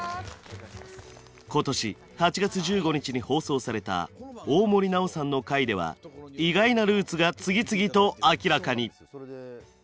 今年８月１５日に放送された大森南朋さんの回では意外なルーツが次々と明らかに！